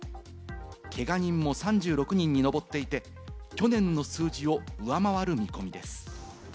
けが人も３６人に上っていて、去年の数字を上回る見込みです。